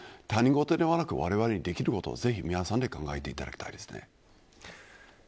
他人事ではなくわれわれができることをぜひ皆さんで考えていただきたいです。